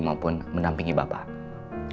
maupun menampingi bapak